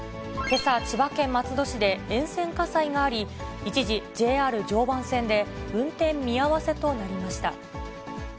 けさ、千葉県松戸市で、沿線火災があり、一時、ＪＲ常磐線で、運転見合わせとなりました。